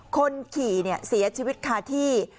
คนขี่เนี่ยเสียชีวิตคาที่